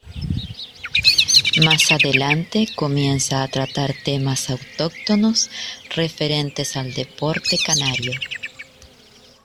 Más adelante comienza a tratar temas autóctonos referentes al deporte canario.